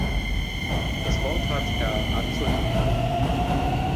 Das Wort hat Herr Azzolini.